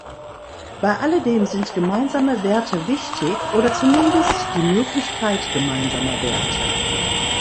Bei alledem sind gemeinsame Werte wichtig, oder zumindest die Möglichkeit gemeinsamer Werte.